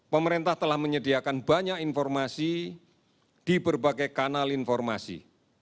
pemerintah telah menyediakan banyak informasi di berbagai kanal informasi